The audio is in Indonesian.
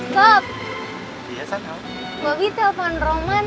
bapak bobby telfon aja roman